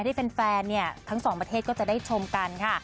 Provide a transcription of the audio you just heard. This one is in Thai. ที่แฟนเนี่ยทั้งสองประเทศก็จะได้ชมกันค่ะ